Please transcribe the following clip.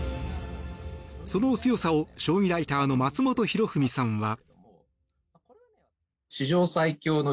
その強さを、将棋ライターの松本博文さんは。